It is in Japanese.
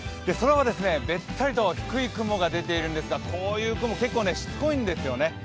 空はべったりと低い雲が出ているんですが、こういう雲、結構、しつこいんですね。